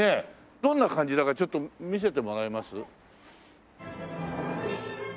どんな感じだかちょっと見せてもらえます？